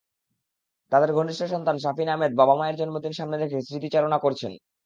তাঁদের কনিষ্ঠ সন্তান শাফিন আহমেদ বাবা-মায়ের জন্মদিন সামনে রেখে স্মৃতিচারণা করেছেন।